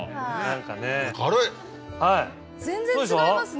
全然違いますね